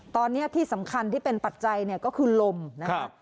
ตอนนี้ที่สำคัญที่เป็นปัจจัยเนี่ยก็คือลมนะครับ